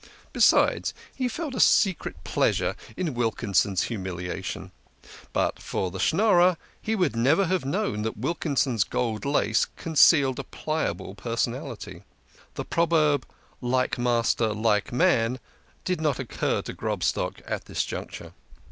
Besides, he felt a secret pleasure in Wilkinson's humiliation but for the Schnorrer he would never have known that Wilkinson's gold lace concealed a pliable per THE KING OF SCHNORRERS. 41 sonality. The proverb " Like master like man " did not occur to Grobstock at this juncture.